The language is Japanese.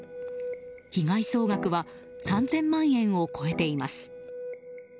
被害総額は３０００万円を超えています。